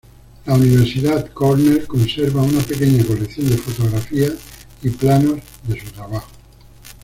La Universidad Cornell conserva una pequeña colección de fotografías y planos de su trabajo.